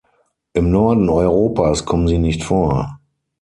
Im Norden Europas kommen sie nicht vor.